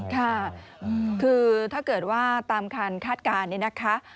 ค่ะคือถ้าเกิดว่าตามการคาดการณ์นี้นะคะ